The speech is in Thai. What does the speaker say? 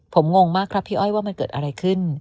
ผมงงมากครับพี่อ้อยว่ามันเกิดอะไรขึ้น